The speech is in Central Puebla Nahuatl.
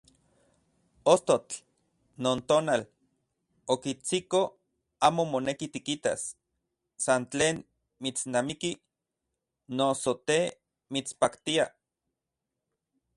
Ostotl non tonal okitsiko amo moneki tikitas san tlen mitsnamiki noso te mitspaktia.